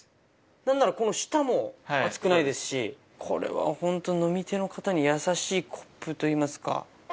なんなら、この下も熱くないし、これは本当に飲み手の方に優しいコップといいますか。